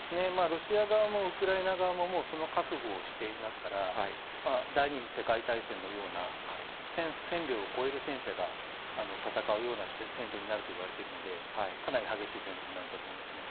ロシア側もウクライナ側も、もうその覚悟をしていますから、第２次世界大戦のような、１０００両を超えるような戦車が戦うような戦場になるといわれているので、かなり激しい戦いになると思いますね。